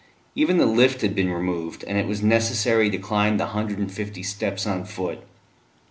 Even the lift had been removed, and it was necessary to climb the hundred and fifty steps on foot.